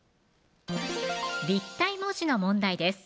立体文字の問題です